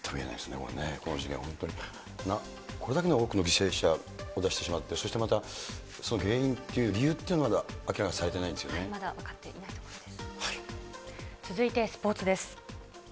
この事件、本当に、これだけの多くの犠牲者を出してしまって、そしてまたその原因という、理由っていうのは、おはようございます。